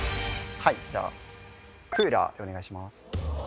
はいじゃあクーラーでお願いします